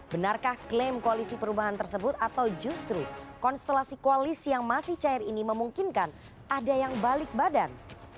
benarkah klaim koalisi perubahan tersebut atau justru konstelasi koalisi yang masih cair ini memungkinkan ada yang balik badan